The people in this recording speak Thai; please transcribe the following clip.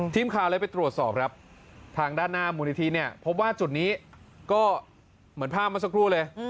ทีมคาเลยไปตรวจสอบครับทางด้านหน้ามูนิธีแบบว่าจุดนี้ก็เหมือนพามาสักครู่เลย